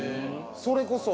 それこそ。